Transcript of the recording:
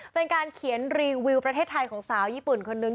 เป็นการเขียนรีวิวประเทศไทยของสาวญี่ปุ่นคนนึง